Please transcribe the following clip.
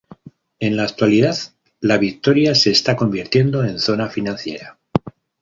En la actualidad, La Victoria se está convirtiendo en zona financiera.